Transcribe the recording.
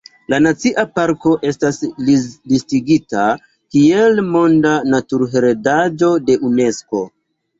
La nacia parko estas listigita kiel Monda Naturheredaĵo de Unesko.